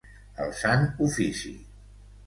El sant ofici.